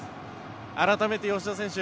改めて吉田選手